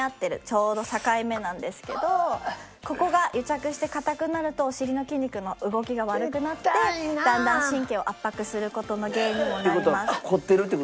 ちょうど境目なんですけどここが癒着して硬くなるとお尻の筋肉の動きが悪くなってだんだん神経を圧迫する事の原因にもなります。